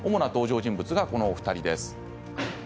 主な登場人物はこの２人です。